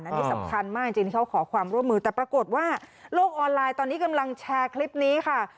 อันนี้สำคัญมากจริงที่เขาขอความร่วมมือแต่ปรากฏว่าโลกออนไลน์ตอนนี้กำลังแชร์คลิปนี้ค่ะ